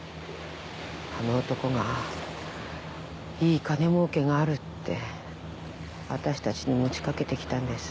あの男がいい金儲けがあるって私たちに持ちかけてきたんです。